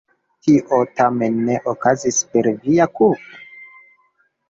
Tio tamen ne okazis per via kulpo?